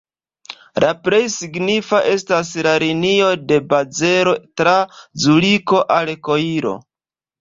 La plej signifa estas la linio de Bazelo tra Zuriko al Koiro.